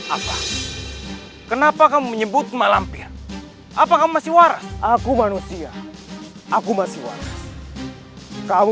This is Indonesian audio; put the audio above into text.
apa kenapa kamu menyebut malampir apakah masih waras aku manusia aku masih waras kau